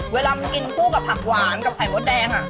เวลามันกินคู่กับผักหวานกับไข่มดแดง